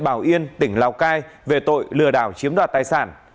bảo yên tỉnh lào cai về tội lừa đảo chiếm đoạt tài sản